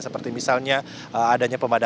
seperti misalnya adanya pemadaman